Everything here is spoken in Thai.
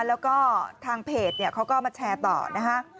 แล้วก็ทางเพจเนี่ยเขาก็มาแชร์ต่อนะฮะ